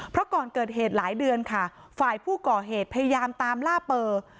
เพราะก่อนเกิดเหตุหลายเดือนค่ะฝ่ายผู้ก่อเหตุพยายามตามล่าเปอร์